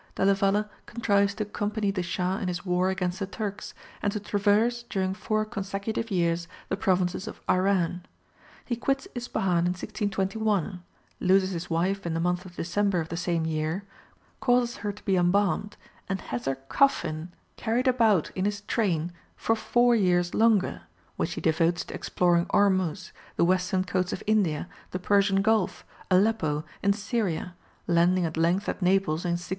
Della Valle contrives to accompany the Shah in his war against the Turks, and to traverse during four consecutive years the provinces of Iran. He quits Ispahan in 1621, loses his wife in the month of December of the same year, causes her to be embalmed, and has her coffin carried about in his train for four years longer, which he devotes to exploring Ormuz, the western coasts of India, the Persian Gulf, Aleppo, and Syria, landing at length at Naples in 1626.